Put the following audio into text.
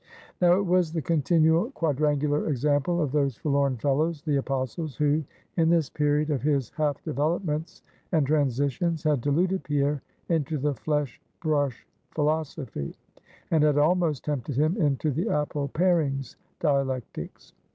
Now it was the continual, quadrangular example of those forlorn fellows, the Apostles, who, in this period of his half developments and transitions, had deluded Pierre into the Flesh Brush Philosophy, and had almost tempted him into the Apple Parings Dialectics.